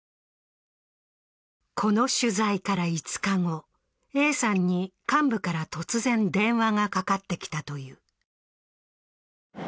この取材から５日後、Ａさんに幹部から突然電話がかかってきたという。